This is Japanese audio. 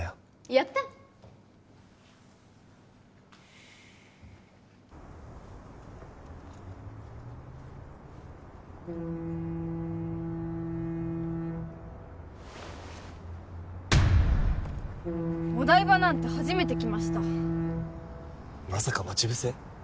やったお台場なんて初めて来ましたまさか待ち伏せ？